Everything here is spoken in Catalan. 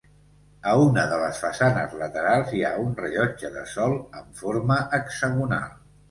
A una de les façanes laterals hi ha un rellotge de sol amb forma hexagonal.